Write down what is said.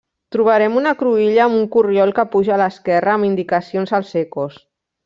Trobarem una cruïlla amb un corriol que puja a l'esquerra amb indicacions als Ecos.